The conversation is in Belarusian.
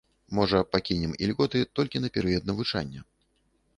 Можа, пакінем ільготы толькі на перыяд навучання.